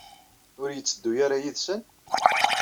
Ur yetteddu ara yid-sen?